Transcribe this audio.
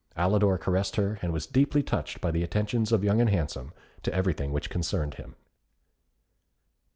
Alidor caressed her, and was deeply touched by the attentions of Young and Handsome to everything which concerned him.